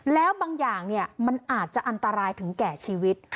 แล้วบางอย่างมันอาจจะอันตรายถึงแก่ชีวิต